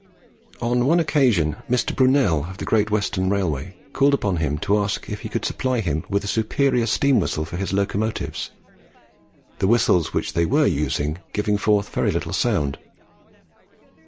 On one occasion Mr. Brunel of the Great Western Railway called upon him to ask if he could supply him with a superior steam whistle for his locomotives, the whistles which they were using giving forth very little sound.